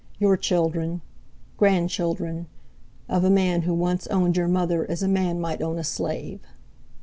your children.... grandchildren.... of a man who once owned your mother as a man might own a slave...."